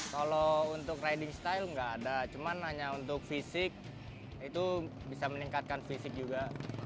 kalau untuk riding style nggak ada cuma hanya untuk fisik itu bisa meningkatkan fisik juga